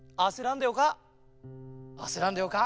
あせらんでよか。